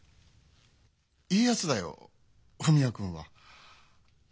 いいやつだよ文也君は。